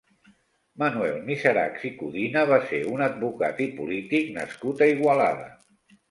Manuel Miserachs i Codina va ser un advocat i polític nascut a Igualada.